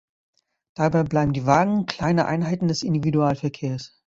Dabei bleiben die Wagen kleine Einheiten des Individualverkehrs.